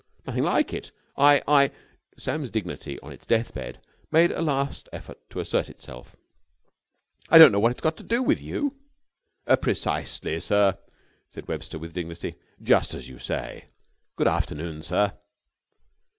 "Nothing like it! I I " Sam's dignity, on its death bed, made a last effort to assert itself. "I don't know what it's got to do with you!" "Precisely, sir!" said Webster, with dignity. "Just as you say! Good afternoon, sir!"